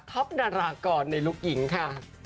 ท็อปนารากล์ตในลูกหญิงค่ะ